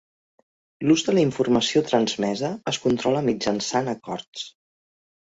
L'ús de la informació transmesa es controla mitjançant acords.